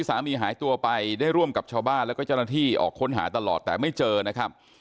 หายตัวไปได้ร่วมกับชาวบ้านแล้วก็เจ้าหน้าที่ออกค้นหาตลอดแต่ไม่เจอนะครับ